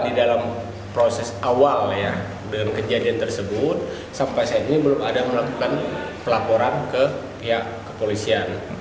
di dalam proses awal ya dengan kejadian tersebut sampai saat ini belum ada melakukan pelaporan ke pihak kepolisian